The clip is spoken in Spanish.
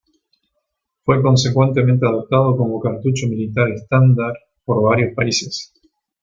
Fue consecuentemente adoptado como cartucho militar estándar por varios países.